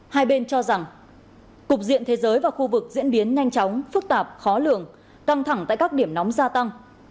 hai bên cho rằng cục diện thế giới và khu vực diễn biến nhanh chóng phức tạp khó lường căng thẳng tại các điểm nóng gia tăng